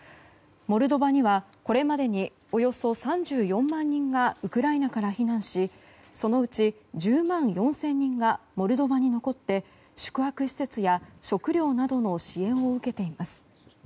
モルドバにはこれまでにおよそ３４万人がウクライナから避難しそのうち１０万４０００人がモルドバに残って宿泊施設や食料などの支援を受けています。